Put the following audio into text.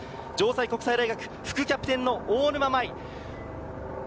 城西国際大学副キャプテンの大沼亜衣。